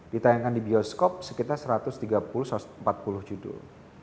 ditayangkan di bioskop sekitar satu ratus tiga puluh satu ratus empat puluh judul